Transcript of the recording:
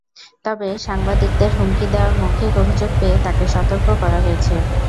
তবে সাংবাদিকদের হুমকি দেওয়ার মৌখিক অভিযোগ পেয়ে তাঁকে সতর্ক করা হয়েছে।